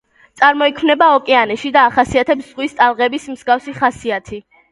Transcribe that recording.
წარმოიქმნება ოკეანეში და ახასიათებს ზღვის ტალღების მსგავსი ხასიათი.